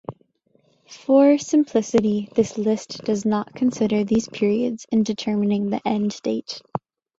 For simplicity, this list does not consider these periods in determining the end date.